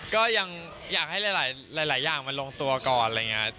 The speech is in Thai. ก็ยังอยากให้หลายอย่างมันลงตัวก่อนอะไรอย่างนี้